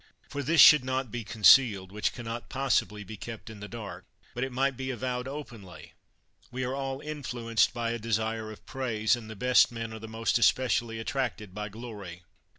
For this should not be concealed, which can not possibly be kept in the dark, but it might be avowed openly; we are all influenced by a desire of praise, and the best men are the most espe cially attracted by glory.